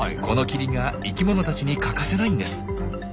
この霧が生きものたちに欠かせないんです。